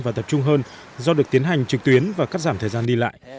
và tập trung hơn do được tiến hành trực tuyến và cắt giảm thời gian đi lại